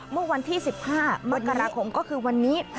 เมื่อวันที่๑๕มกราคมก็คือวันนี้